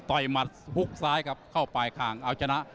ต่อยมัดหลุกซ้ายครับเข้าไปขางเอาจะนัด